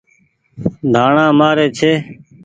ڌڻآ مآري ڇي۔